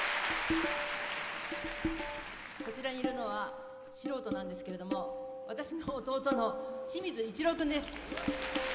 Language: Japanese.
こちらにいるのは素人なんですけれども私の弟の清水イチロウ君です。